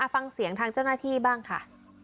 ฟังเสียงทางเจ้าหน้าที่บ้างค่ะ